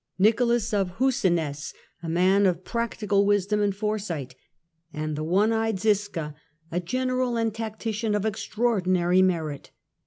Nicholas of Husinec, a man of practic Nicholas of al wisdom and foresight, and the one eyed Ziska, a gen andZiska eral and tactician of extraordinary merit.